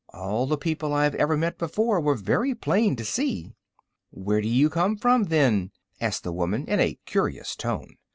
"All the people I have ever met before were very plain to see." "Where do you come from, then?" asked the woman, in a curious tone.